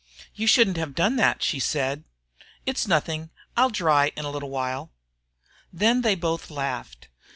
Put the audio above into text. "You shouldn't have done that," she said. "It's nothing. I'll dry in a little while." Then they both laughed.